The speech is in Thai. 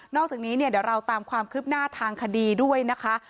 อกจากนี้เนี่ยเดี๋ยวเราตามความคืบหน้าทางคดีด้วยนะคะ